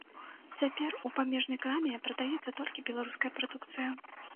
Цяпер у памежнай краме прадаецца толькі беларуская прадукцыя.